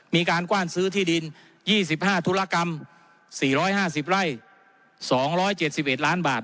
มีการกว้านซื้อที่ดิน๒๕ธุรกรรม๔๕๐ไร่๒๗๑ล้านบาท